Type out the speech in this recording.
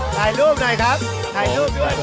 ถ่ายรูปหน่อยครับถ่ายรูปด้วย